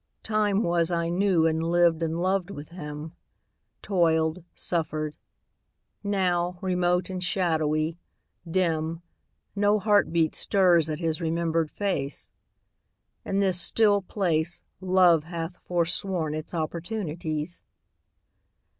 Time was I knew, and lived and loved with him; Toiled, suffered. Now, remote and shadowy, dim, No heartbeat stirs at his remembered face. In this still place Love hath forsworn its opportunities.